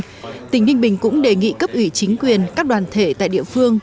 các đồng chí lãnh đạo tỉnh ninh bình cũng đề nghị cấp ủy chính quyền các đoàn thể tại địa phương